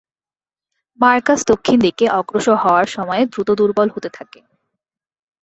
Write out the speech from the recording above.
Marcus দক্ষিণ দিকে অগ্রসর হওয়ার সময়ে দ্রুত দুর্বল হতে থাকে।